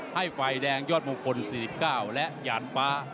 ให้ไฟแดงยอดมงคล๔๙และหยาดฟ้า